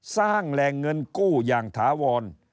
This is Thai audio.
สร้างแหล่งเงินกู้อย่างถาวร